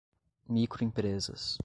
microempresas